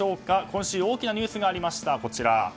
今週大きなニュースがありました。